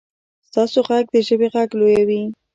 ستاسو غږ د ژبې غږ لویوي.